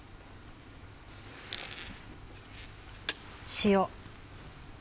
塩。